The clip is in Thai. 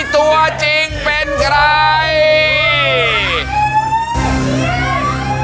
ตัวจริงเป็นใคร